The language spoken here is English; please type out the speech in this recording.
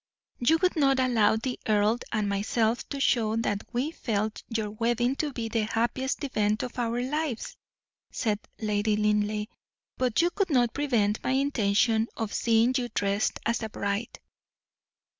"You would not allow the earl and myself to show that we felt your wedding to be the happiest event of our lives," said Lady Linleigh; "but you could not prevent my intention of seeing you dressed as a bride."